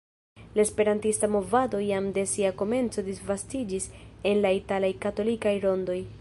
La Esperantista movado jam de sia komenco disvastiĝis en la italaj katolikaj rondoj.